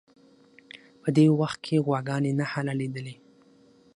په دې وخت کې غواګانې نه حلالېدلې.